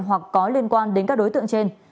hoặc có liên quan đến các đối tượng trên